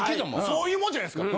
そういうもんじゃないですか。